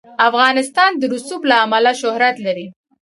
افغانستان د رسوب له امله شهرت لري.